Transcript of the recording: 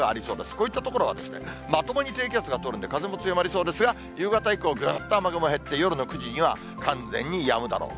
こういった所はまともに低気圧が通るんで風も強まりそうですが、夕方以降、ぐっと雨雲減って、夜の９時には完全にやむだろう。